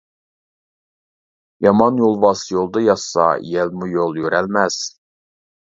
يامان يولۋاس يولدا ياتسا، يەلمۇ يول يۈرەلمەس.